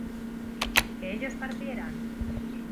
¿que ellos partieran?